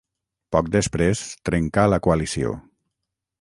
Poc després trencà la coalició.